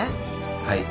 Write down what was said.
はい。